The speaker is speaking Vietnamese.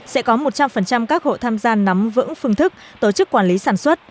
sẽ có một trăm linh các hộ tham gia nắm vững phương thức tổ chức quản lý sản xuất